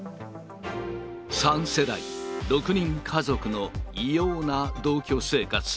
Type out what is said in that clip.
３世代６人家族の異様な同居生活。